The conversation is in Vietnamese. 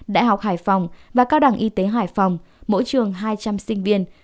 đại học hải phòng và cao đẳng y tế hải phòng mỗi trường hai trăm linh sinh viên